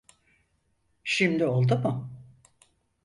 Şimdi oldu mu?